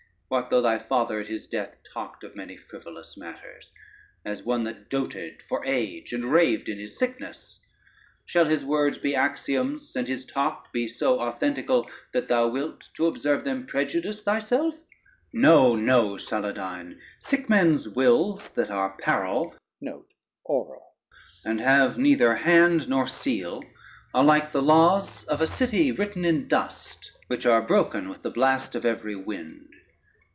What though thy father at his death talked of many frivolous matters, as one that doated for age and raved in his sickness; shall his words be axioms, and his talk be so authentical, that thou wilt, to observe them, prejudice thyself? No no, Saladyne, sick men's wills that are parole and have neither hand nor seal, are like the laws of a city written in dust, which are broken with the blast of every wind.